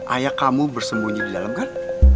ayah kamu bersembunyi di dalam kan